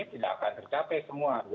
tidak akan tercapai semua